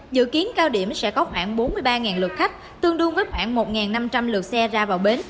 dự kiến cao điểm sẽ có khoảng bốn mươi ba lượt khách tương đương với khoảng một năm trăm linh lượt xe ra vào bến